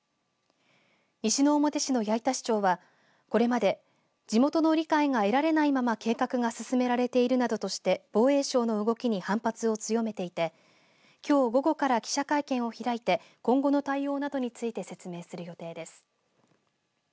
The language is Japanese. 西之表市の八板市長はこれまで地元の理解が得られないまま計画が進められているなどとして防衛省の動きに反発を強めていてきょう午後から記者会見を開いて今後の対応などについて説明する予定です。